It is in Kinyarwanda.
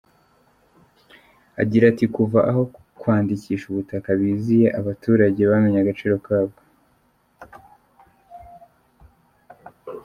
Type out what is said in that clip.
Agira ati “Kuva aho kwandikisha ubutaka biziye, abaturage bamenye agaciro kabwo.